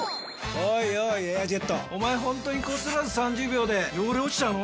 おいおい「エアジェット」おまえホントにこすらず３０秒で汚れ落ちちゃうの？